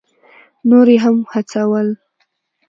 نور یې هم هڅول.